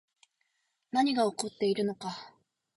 何が起こっているのか